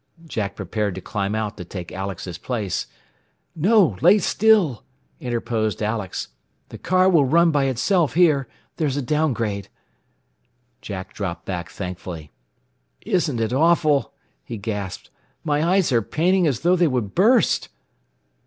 Jack prepared to climb out to take Alex's place. "No! Lay still!" interposed Alex. "The car will run by itself here. There's a down grade." Jack dropped back thankfully. "Isn't it awful," he gasped. "My eyes are paining as though they would burst."